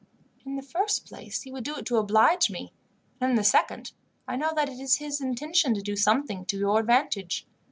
In the first place, he would do it to oblige me, and in the second, I know that it is his intention to do something to your advantage.